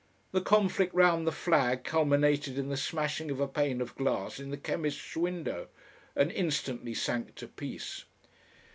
The conflict round the flag culminated in the smashing of a pane of glass in the chemist's window and instantly sank to peace.